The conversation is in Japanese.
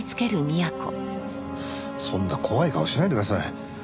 そんな怖い顔しないでください。